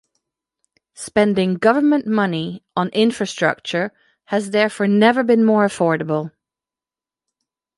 Spending government money on infrastructure has therefore never been more affordable.